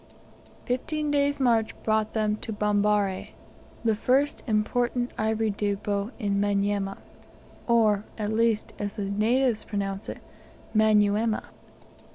Fifteen days' march brought them to Bambarre, the first important ivory depot in Manyema, or, as the natives pronounce it, Manyuema.